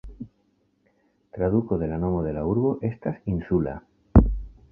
Traduko de nomo de la urbo estas "insula".